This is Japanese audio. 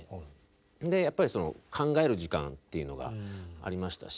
やっぱりその考える時間っていうのがありましたし。